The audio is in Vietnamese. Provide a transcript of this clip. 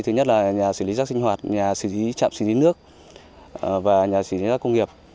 thứ nhất là nhà xử lý rác sinh hoạt nhà xử lý trạm xử lý nước và nhà xử lý rác công nghiệp